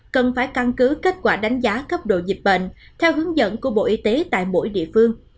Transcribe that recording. cần phải căn cứ kết quả đánh giá cấp độ dịch bệnh theo hướng dẫn của bộ y tế tại mỗi địa phương